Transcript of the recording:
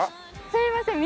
すいません。